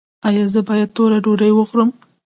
ایا زه باید توره ډوډۍ وخورم؟